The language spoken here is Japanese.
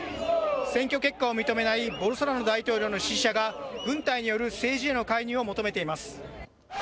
選挙結果を認めないボルソナロ大統領の支持者が軍隊による政治への介入を求めています。